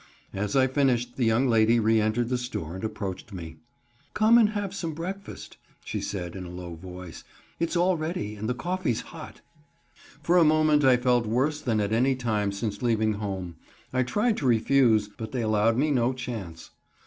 As I finished, the young lady re entered the store and approached me: "Come and have some breakfast," she said in a low voice, "its all ready and the coffee's hot." For a moment I felt worse than at any time since leaving home. I tried to refuse, but they allowed me no chance.